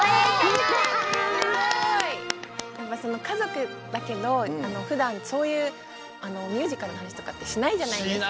やっぱかぞくだけどふだんそういうミュージカルのはなしとかってしないじゃないですか。